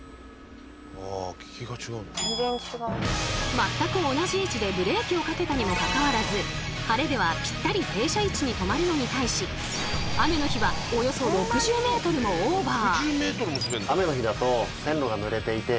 全く同じ位置でブレーキをかけたにもかかわらず晴れではぴったり停車位置に止まるのに対し雨の日はおよそ６０ｍもオーバー。